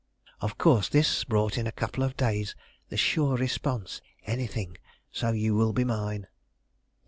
Of course this brought in a couple of days the sure response: "Anything, so you will be mine."